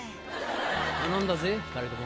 頼んだぜ２人とも。